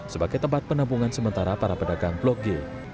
sebagai tempat penampungan sementara para pedagang blok g